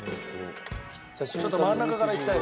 ちょっと真ん中からいきたい。